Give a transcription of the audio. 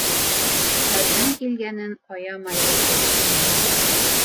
— Хәлдән килгәнен аямайбыҙ ҙа уныһын.